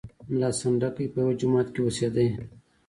ملا سنډکی په یوه جومات کې اوسېدی.